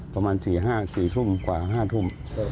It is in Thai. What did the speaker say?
ประมาณ๔ทุ่มกว่า๕ทุ่ม